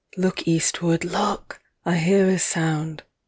Look Eastward, look! I hear a sound.